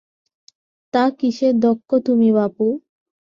তা কীসে দক্ষ তুমি বাপু?